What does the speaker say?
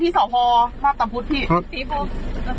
เดี๋ยวจะไปเจอกันที่สหพอร์มาบต่อพุทธพี่